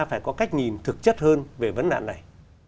phải có cách nhìn thực chất hơn về vấn đạn này